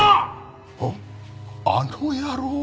あっあの野郎。